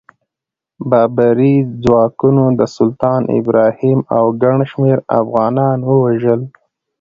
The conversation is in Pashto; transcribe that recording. بابري ځواکونو د سلطان ابراهیم او ګڼ شمېر افغانان ووژل.